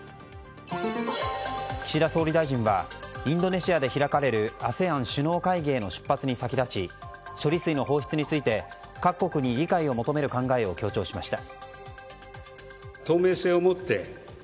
岸田総理大臣はインドネシアで開かれるＡＳＥＡＮ首脳会議への出発に先立ち処理水の放出について各国に理解を求める考えを強調しました。